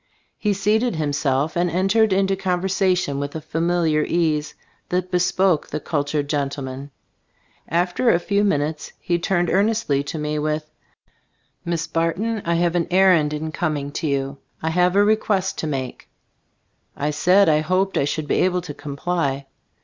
He seated himself and entered into conversation with a familiar ease that bespoke the cultured gentleman. After a few minutes he turned earnestly to me with : "Miss Barton, I have an errand in coming to you. I have a request to make." I said I hoped I should be able to comply.